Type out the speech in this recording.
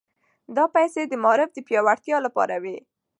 دا پيسې د معارف د پياوړتيا لپاره وې.